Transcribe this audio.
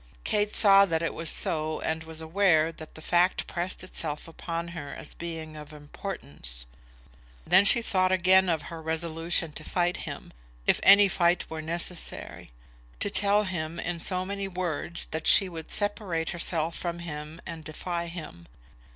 Kate saw that it was so, and was aware that the fact pressed itself upon her as being of importance. Then she thought again of her resolution to fight with him, if any fight were necessary; to tell him, in so many words, that she would separate herself from him and defy him.